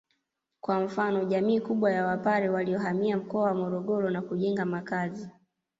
kwa mfano jamii kubwa ya Wapare waliohamia mkoa wa Morogoro na kujenga makazi